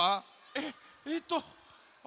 えっえっとあ。